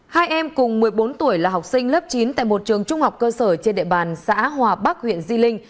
hai em cùng một mươi bốn tuổi là học sinh lớp chín tại một trường trung học cơ sở trên địa bàn xã hòa bắc huyện di linh